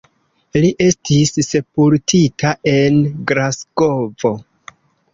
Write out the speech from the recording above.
Li estis sepultita en Glasgovo.